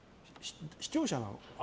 視聴者なの。